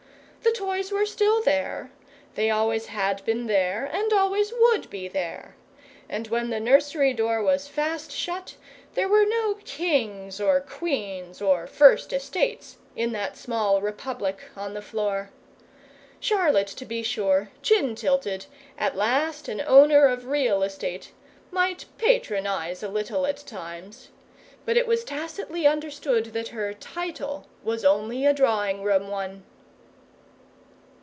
The toys were still there; they always had been there and always would be there, and when the nursery door was fast shut there were no Kings or Queens or First Estates in that small Republic on the floor. Charlotte, to be sure, chin tilted, at last an owner of real estate, might patronize a little at times; but it was tacitly understood that her "title" was only a drawing room one.